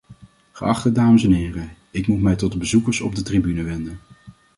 Geachte dames en heren, ik moet mij tot de bezoekers op de tribune wenden.